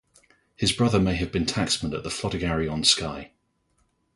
His brother may have been tacksman at Flodigarry on Skye.